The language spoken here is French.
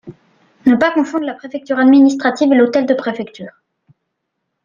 Ne pas confondre la préfecture administrative et l’hôtel de préfecture.